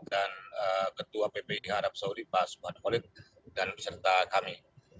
dan ketua ppi arab saudi pak subhan kholid dan beserta kami